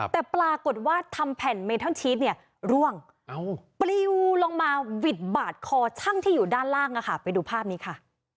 แต่ปรากฏว่าทำแผ่นเมทัลชีสเนี่ยร่วงปลิวลงมาบิดบาดคอช่างที่อยู่ด้านล่างไปดูภาพนี้ค่ะ